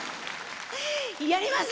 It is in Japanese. やります！